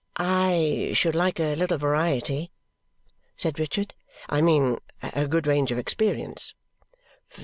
"I should like a little variety," said Richard; "I mean a good range of experience."